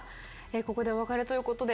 ここでお別れということで。